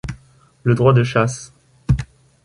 Le droit de chasse.